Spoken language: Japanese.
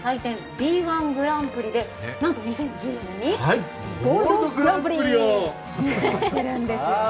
Ｂ−１グランプリでなんと２０１４年、ゴールドグランプリを受賞してるんですよね。